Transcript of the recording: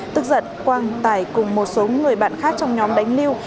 tức giận quang tài cùng một số người bạn khác trong nhóm đánh lưu